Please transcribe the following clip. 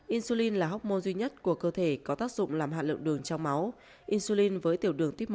insulin là hóc mô duy nhất của cơ thể có tác dụng làm hạ lượng đường trong máu insulin với tiểu đường tiếp một